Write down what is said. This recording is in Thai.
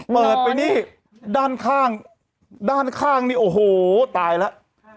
เปิดไปนี่ด้านข้างด้านข้างนี่โอ้โหตายแล้ว